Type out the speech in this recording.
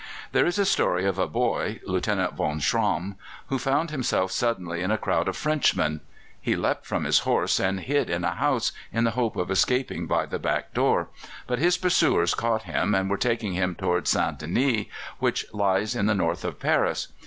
There is a story of a boy Lieutenant, von Schramm, who found himself suddenly in a crowd of Frenchmen. He leapt from his horse and hid in a house, in the hope of escaping by the back door; but his pursuers caught him, and were taking him towards St. Denis, which lies to the north of Paris.